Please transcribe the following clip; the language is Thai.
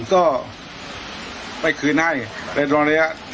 ก็ไปคืนให้เรียนรองเรียก